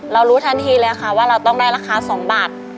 รู้ทันทีเลยค่ะว่าเราต้องได้ราคา๒บาท